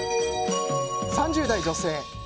３０代女性。